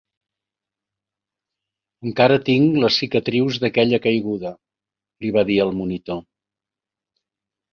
"Encara tinc les cicatrius d'aquella caiguda", li va dir al monitor.